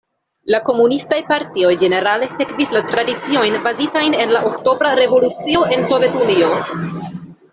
La komunistaj partioj ĝenerale sekvis la tradiciojn bazitajn en la Oktobra Revolucio en Sovetunio.